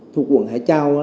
thuộc quận hải châu